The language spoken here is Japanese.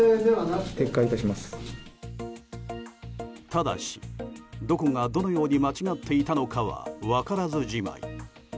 ただし、どこがどのように間違っていたのかは分からずじまい。